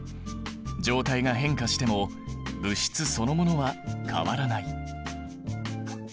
状態が変化しても物質そのものは変わらない。